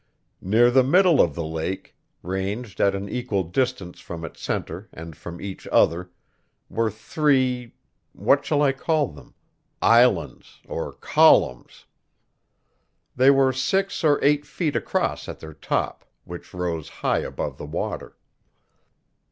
Near the middle of the lake, ranged at an equal distance from its center and from each other, were three what shall I call them? islands, or columns. They were six or eight feet across at their top, which rose high above the water.